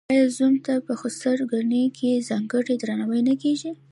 آیا زوم ته په خسرګنۍ کې ځانګړی درناوی نه کیږي؟